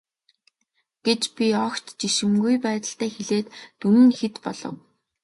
гэж би огт жишимгүй байдалтай хэлээд дүн нь хэд болов.